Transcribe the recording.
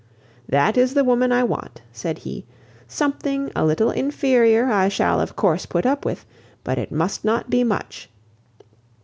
"That is the woman I want," said he. "Something a little inferior I shall of course put up with, but it must not be much.